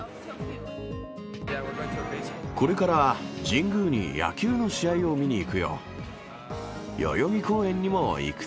これから神宮に野球の試合を見に行くよ。